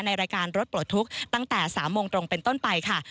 ในรายการรถปลดทุกข์ตั้งแต่๓โมงตรงเป็นต้นไปค่ะ